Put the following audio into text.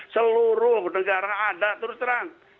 seluruh negara ada terus terang